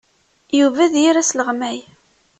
Yuba d yir asleɣmay.